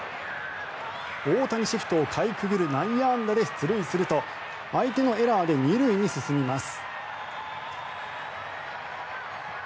大谷シフトをかいくぐる内野安打で出塁すると相手のエラーで２塁に進みます。